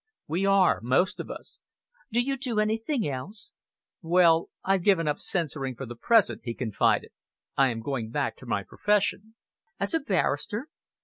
"We are, most of us." "Do you do anything else?" "Well, I've given up censoring for the present," he confided. "I am going back to my profession." "As a barrister?"